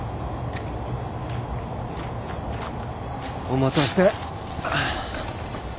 お待たせ。